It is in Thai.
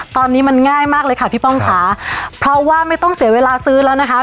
ตอนนี้มันง่ายมากเลยค่ะพี่ป้องค่ะเพราะว่าไม่ต้องเสียเวลาซื้อแล้วนะคะ